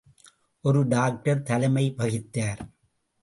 ஒரு டாக்டர் தலைமை வகித்தார்.